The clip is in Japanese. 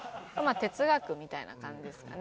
哲学みたいな感じですかね。